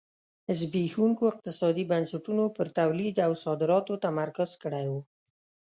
زبېښونکو اقتصادي بنسټونو پر تولید او صادراتو تمرکز کړی و.